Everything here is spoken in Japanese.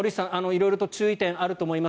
色々注意点があると思います。